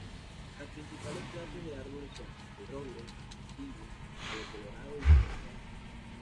Las principales clases de árboles son: el roble, encino, palo colorado y pino real.